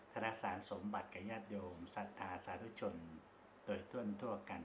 ธนาสารสมบัติกับญาติโยมสัตว์ภาษาทุกชนโดยทุ่นทั่วกัน